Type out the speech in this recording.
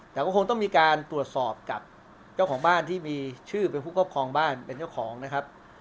แต่ก็คงต้องมีการตรวจสอบกับเจ้าของบ้านที่มีชื่อเป็นผู้ครอบครองบ้านเป็นเจ้าของนะครับ